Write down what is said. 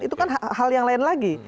itu kan hal yang lain lagi